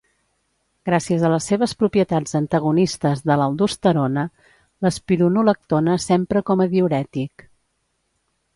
Gràcies a les seves propietats antagonistes de l'aldosterona, l'espironolactona s'empra com a diürètic.